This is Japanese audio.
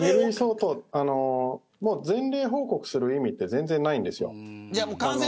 全例報告する意味って全然ないんです。